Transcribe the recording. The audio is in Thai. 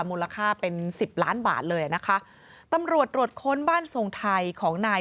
มูลค่าเป็นสิบล้านบาทเลยอ่ะนะคะตำรวจตรวจค้นบ้านทรงไทยของนาย